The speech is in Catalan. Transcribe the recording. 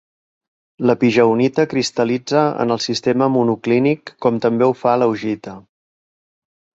La pigeonita cristal·litza en el sistema monoclínic, com també ho fa l'augita.